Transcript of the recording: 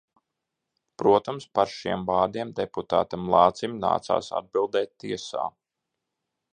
Protams, par šiem vārdiem deputātam Lācim nācās atbildēt tiesā.